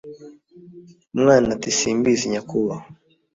Umwana ati: "simbizi nyakubahwa